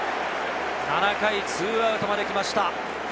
７回２アウトまで来ました。